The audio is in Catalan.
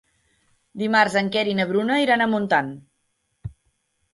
Dimarts en Quer i na Bruna iran a Montant.